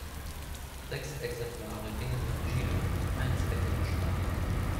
Sechs Exemplare gingen nach Chile, eines erhielt Spanien.